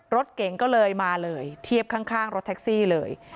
รถเก๋งก็เลยมาเลยเทียบข้างรถแท็กซี่เลย